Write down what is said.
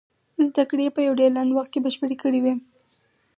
زدکړې يې په يو ډېر لنډ وخت کې بشپړې کړې وې.